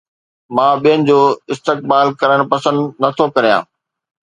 مان ٻين جو استقبال ڪرڻ پسند نٿو ڪريان